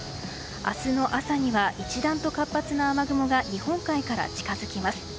明日の朝には一段と活発な雨雲が日本海から近づきます。